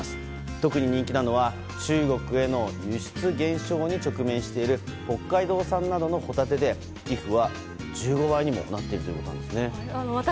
特に人気なのは中国への輸出減少に直面している北海道産などのホタテで寄付は１５倍にもなっているそうです。